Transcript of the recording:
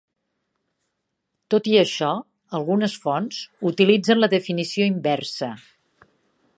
Tot i això, algunes fonts utilitzen la definició inversa.